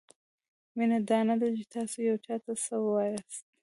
مینه دا نه ده؛ چې تاسو یو چاته څه وایاست؛